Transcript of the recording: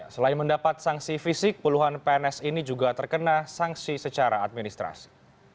selain mendapat sanksi fisik puluhan pns ini juga terkena sanksi secara administrasi